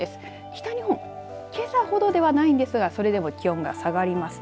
北日本けさほどではないんですがそれでも気温が下がります。